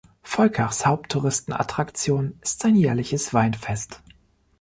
Volkachs Haupttouristenattraktion ist sein jährliches Weinfest.